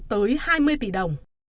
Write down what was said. tới hai mươi tỷ đồng